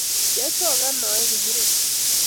kiachokan aekuu muren.